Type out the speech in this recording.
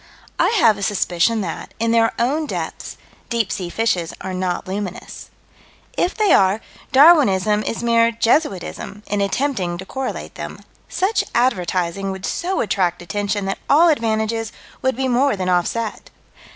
I have a suspicion that, in their own depths, deep sea fishes are not luminous. If they are, Darwinism is mere jesuitism, in attempting to correlate them. Such advertising would so attract attention that all advantages would be more than offset.